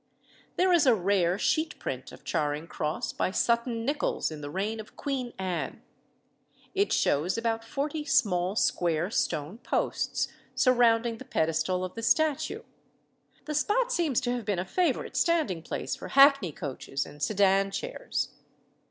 There is a rare sheet print of Charing Cross by Sutton Nicholls, in the reign of Queen Anne. It shows about forty small square stone posts surrounding the pedestal of the statue. The spot seems to have been a favourite standing place for hackney coaches and sedan chairs.